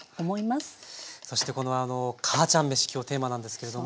そしてこの「母ちゃんめし」今日テーマなんですけれども。